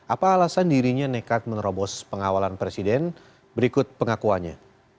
apa alasan dirinya nekat menerobos pengawalan presiden berikut pengakuannya